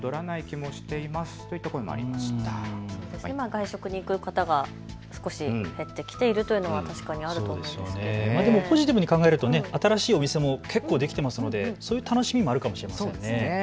外食に行く方が少し減ってきているというのは確かにあると思いますけどポジティブに考えると新しいお店も結構できているのでそういう楽しみもあるかもしれませんね。